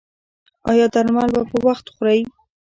ایا درمل به په وخت خورئ؟